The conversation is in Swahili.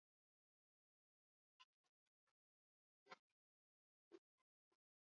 kuwa mwezi mwezi wa tano mpaka wa saba hali ya Scofield Ruge ilikuwa mbaya